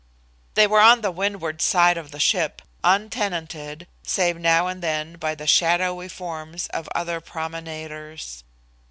They were on the windward side of the ship, untenanted save now and then by the shadowy forms of other promenaders.